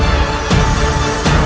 ketika kanda menang kanda menang